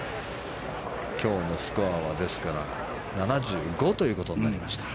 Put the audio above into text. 今日のスコアは７５ということになりました。